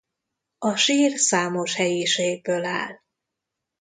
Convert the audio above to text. A sír számos helyiségből áll.